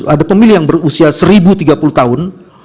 ada pemilih yang berusia satu tiga puluh tahun